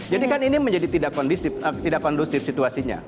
jadi kan ini menjadi tidak kondusif situasinya